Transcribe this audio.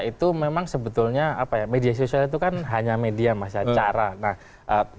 itu memang sebetulnya media sosial itu kan hanya media masyarakat